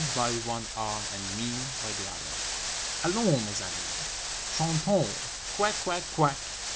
by one arm and me by the other, "Allons, mes amis! Chan tons 'Quackquackquack.